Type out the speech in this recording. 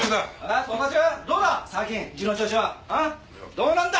どうなんだ？